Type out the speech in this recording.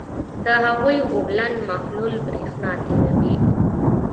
د هغوي اوبلن محلول برېښنا تیروي.